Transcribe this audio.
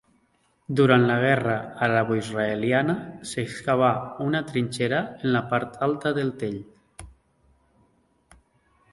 Durant la guerra araboisraeliana s'excavà una trinxera en la part alta del tell.